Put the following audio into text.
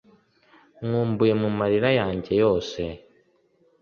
nkumbuye mumarira yanjye yose